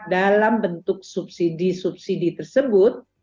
dalam bentuk subsidi subsidi tersebut